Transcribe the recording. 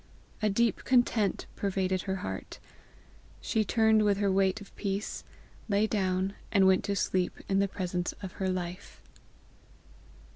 A deep content pervaded her heart. She turned with her weight of peace, lay down, and went to sleep in the presence of her Life.